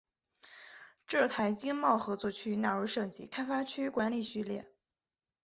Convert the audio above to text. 浙台经贸合作区纳入省级开发区管理序列。